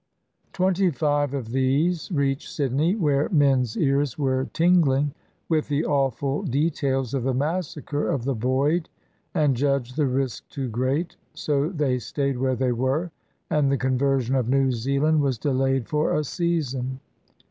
Twenty five of these reached Sydney, where men's ears were tingling with the awful details of the massacre of the Boyd, and judged the risk too great. So they stayed where they were, and the conversion of New Zealand was delayed for a season.